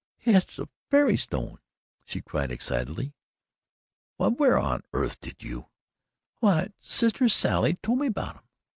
"Hit's a fairy stone," she cried excitedly. "Why, where on earth did you " "Why, sister Sally told me about 'em.